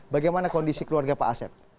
bagaimana kondisi keluarga pak asep